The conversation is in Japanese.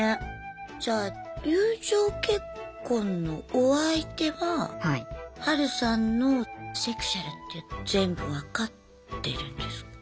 じゃあ友情結婚のお相手はハルさんのセクシュアルって全部分かってるんですか？